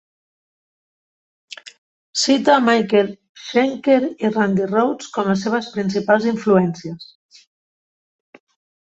Cita a Michael Schenker i Randy Rhoads com les seves principals influències.